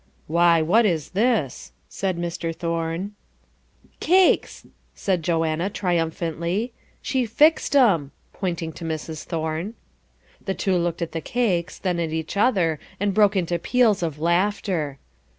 "Why, what is this?" said Mr. Thorne. "Cakes!" said Joanna, triumphantly. "She fixed 'em;" pointing to Mrs. Thorne. The two looked at the cakes, then at each other, and broke into peals of laughter.